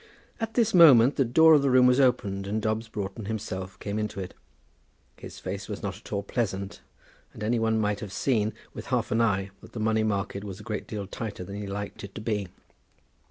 At this moment the door of the room was opened, and Dobbs Broughton himself came into it. His face was not at all pleasant, and any one might have seen with half an eye that the money market was a great deal tighter than he liked it to be.